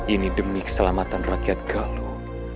ini demi keselamatan rakyat galuh